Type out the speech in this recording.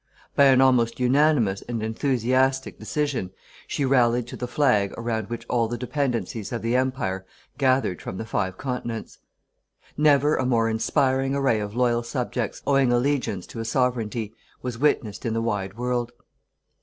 By an almost unanimous and enthusiastic decision she rallied to the flag around which all the Dependencies of the Empire gathered from the five continents. Never a more inspiring array of loyal subjects, owing allegiance to a Sovereignty, was witnessed in the wide world.